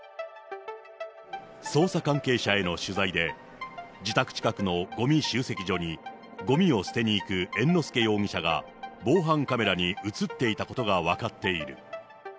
捜査関係者への取材で、自宅近くのごみ集積所にごみを捨てに行く猿之助容疑者が防犯カメラに写っていたことが分かっている。